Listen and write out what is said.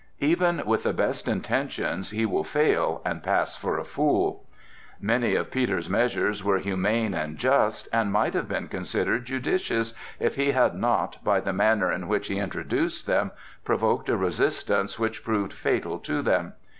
Even with the best intentions he will fail and pass for a fool. Many of Peter's measures were humane and just, and might have been considered judicious if he had not, by the manner in which he introduced them, provoked a resistance which proved fatal to them.